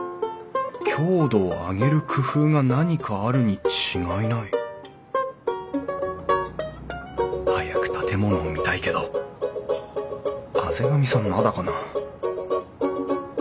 強度を上げる工夫が何かあるに違いない早く建物を見たいけど畔上さんまだかな？